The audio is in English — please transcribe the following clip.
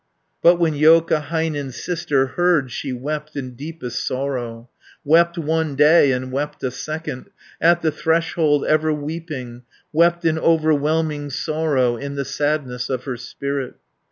But when Joukahainen's sister Heard, she wept in deepest sorrow, Wept one day, and wept a second, At the threshold ever weeping, 540 Wept in overwhelming sorrow, In the sadness of her spirit.